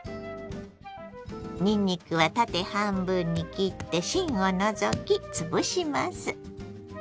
にんにくは縦半分に切って芯を除き潰します。